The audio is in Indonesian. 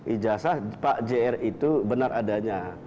ijazah pak jr itu benar adanya